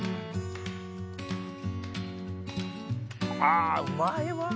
あうまいわ！